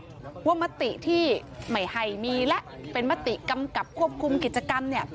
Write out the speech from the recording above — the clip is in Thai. พูดนั่นแหละว่ามติที่ไหมไฮมีและเป็นมติกำกับควบคุมกิจกรรมเนี่ย